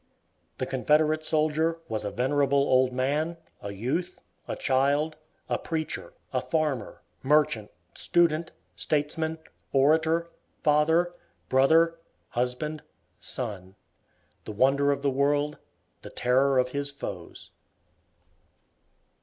The Confederate soldier was a venerable old man, a youth, a child, a preacher, a farmer, merchant, student, statesman, orator, father, brother, husband, son, the wonder of the world, the terror of his foes!